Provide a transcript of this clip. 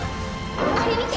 あれみて！